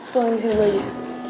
tuangin disini dulu aja